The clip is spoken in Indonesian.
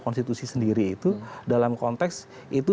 konstitusi sendiri itu dalam konteks itu